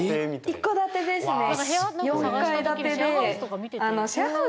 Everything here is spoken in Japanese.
一戸建てですね